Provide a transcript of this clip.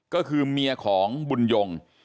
ก็คือเมียของบุญยง